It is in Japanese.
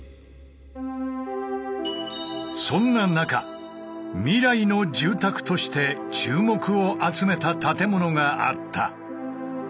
そんな中「未来の住宅」として注目を集めた建物があった。